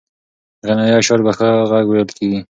غنایي اشعار په ښه غږ ویل کېږي.